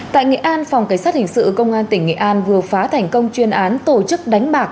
tại nghệ an phòng cảnh sát hình sự công an tỉnh nghệ an vừa phá thành công chuyên án tổ chức đánh bạc